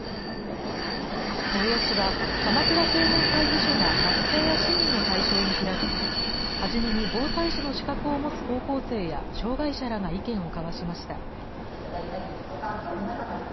催しは、鎌倉青年会議所が学生や市民を対象に開き、初めに防災士の資格を持つ高校生や障害者らが意見を交わしました。